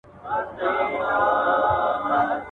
اوبه خړوي، ماهيان پکښي نيسي .